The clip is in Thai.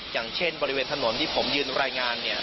อย่างเช่นบริเวณถนนที่ผมยืนรายงานเนี่ย